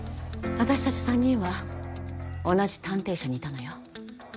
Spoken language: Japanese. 私たち３人は同じ探偵社にいたのよ。